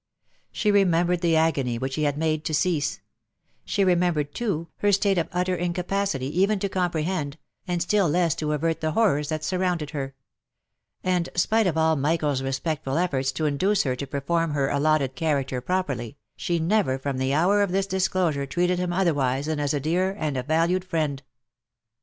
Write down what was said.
She remembered the agony which he had made to cease; she remembered, too, her state of utter incapacity even to compre hend, and still less to avert the horrors that surrounded her ; and, spite of all Michael's respectful efforts to induce her to perform her allotted character properly, she never from the hour of this disclosure treated him otherwise than as a dear and valued friend.